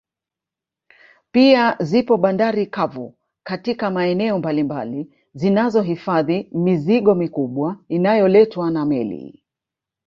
Pia zipo bandari kavu katika maeneo mbalimbali zinazo hifadhi mizigo mikubwa inayoletwa na meli